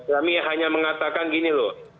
kami hanya mengatakan gini loh